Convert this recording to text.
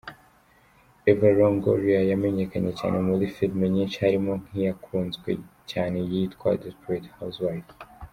Eva Longoria yamenyekanye cyane muri filime nyishi harimo nk’iyakunzwe cyane yitwa "Desperate Housewives” .